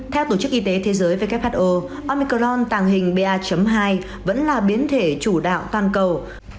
theo tổ chức y tế thế giới who omicron tàng hình ba hai vẫn là biến thể chủ đạo toàn cầu